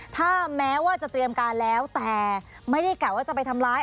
ถ้าแม้ว่าจะเตรียมการแล้วแต่ไม่ได้กะว่าจะไปทำร้าย